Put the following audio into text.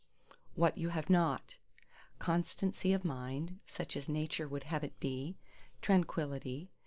What you have not: Constancy of mind, such as Nature would have it be: Tranquillity.